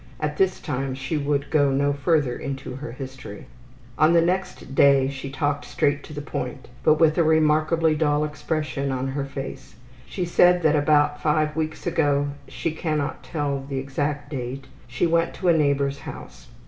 At this time she would go no further into her history. On the next day she talked straight to the point, but with a remarkably dull expression on her face. She said that about five weeks ago, she cannot tell the exact date, she went to a neighbor's house.